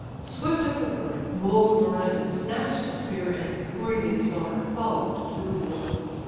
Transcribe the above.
Swift at the word bold Merion snatch'd a spear And, breathing slaughter, follow'd to the war.